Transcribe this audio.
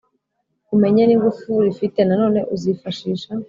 umenye n’ingufu rifite nanone uzifashisha